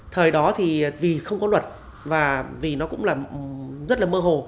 thời đó thì vì không có luật và vì nó cũng là rất là mơ hồ